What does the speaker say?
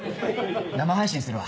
生配信するわ。